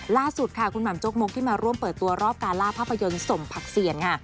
ล่าสุดค่ะคุณหม่ำจกมกที่มาร่วมเปิดตัวรอบการล่าภาพยนตร์สมผักเสี่ยงค่ะ